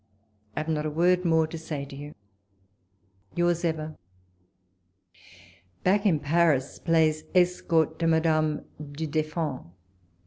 I have not a word more to say to you. Yours ever. BACK IN PA niS PLAYS ESCORT TO MADAME VU DEFFAND.